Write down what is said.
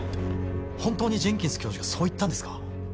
本当にジェンキンス教授がそう言ったんですか？